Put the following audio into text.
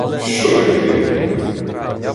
— Що ректи йому?